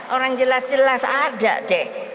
orang jelas jelas ada deh